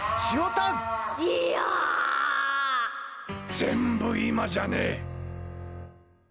全部今じゃねえ。